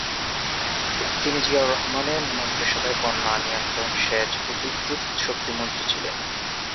তিনি জিয়াউর রহমানের মন্ত্রিসভায় বন্যা নিয়ন্ত্রণ, সেচ ও বিদ্যুৎ শক্তি মন্ত্রী ছিলেন।